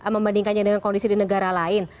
membandingkannya dengan kondisi di negara lain